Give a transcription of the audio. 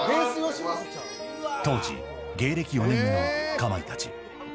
当時、芸歴４年のかまいたち。